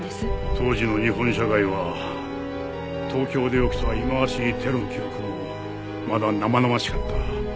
当時の日本社会は東京で起きた忌まわしいテロの記憶もまだ生々しかった。